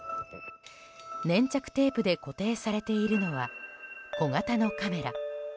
粘着テープで固定されているのは小型のカメラ。